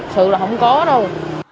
sự là không có đâu